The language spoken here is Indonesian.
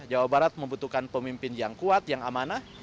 jawa barat membutuhkan pemimpin yang kuat yang amanah